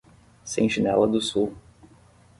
Sentinela do Sul